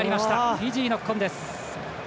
フィジー、ノックオンです。